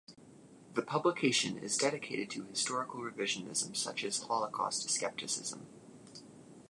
The publication is dedicated to historical revisionism such as Holocaust scepticism.